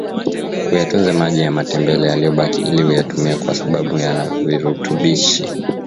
uyatunze maji ya matembele yaliyobaki ili uyatumie kwa sababu yana virutubishi